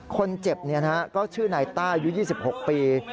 คนเจ็บก็ชื่อนายต้าอายุ๒๖ปี